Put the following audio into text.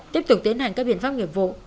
tiếp tục tiến hành các biện pháp nghiệp vụ